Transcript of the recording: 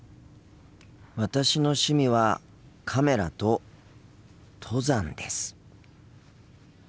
私の趣味はカメラと登山です。